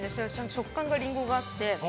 食感がリンゴがあって。